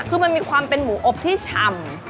คือมันมีความเป็นหมูอบที่ชำ